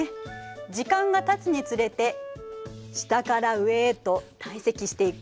時間がたつにつれて下から上へと堆積していく。